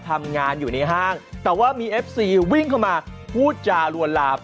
ทำงานอยู่ในห้างแต่ว่ามีเอฟซีวิ่งเข้ามาพูดจารวนลาม